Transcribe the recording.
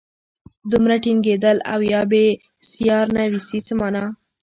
دومره ټینګېدل او یا بېسیار نویسي څه مانا.